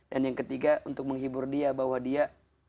dan yang ketiga untuk menghibur dia bahwa dia